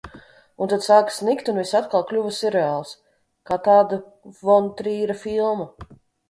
Un tad sāka snigt un viss atkal kļuva sirreāls. Kā tāda von Trīra filma.